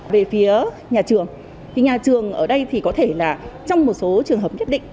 về phía nhà trường thì nhà trường ở đây thì có thể là trong một số trường hợp nhất định